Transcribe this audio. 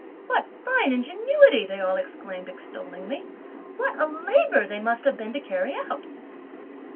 "What fine ingenuity!" they all exclaimed extollingly; "what a labour they must have been to carry out!"